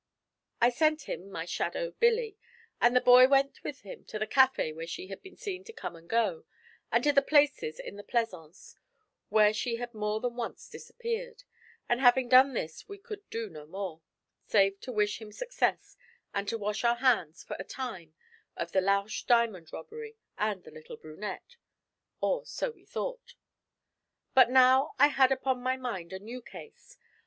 I sent him my 'shadow,' Billy, and the boy went with him to the café where she had been seen to come and go, and to the places in the Plaisance where she had more than once disappeared; and having done this we could do no more, save to wish him success and to wash our hands, for a time, of the Lausch diamond robbery and the little brunette or so we thought. But now I had upon my mind a new case.